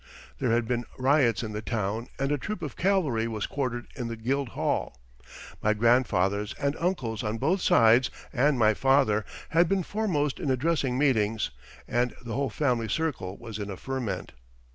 There had been riots in the town and a troop of cavalry was quartered in the Guildhall. My grandfathers and uncles on both sides, and my father, had been foremost in addressing meetings, and the whole family circle was in a ferment.